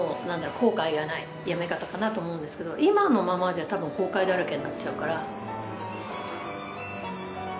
後悔がない辞め方かなと思うんですけど今のままじゃ多分後悔だらけになっちゃうから。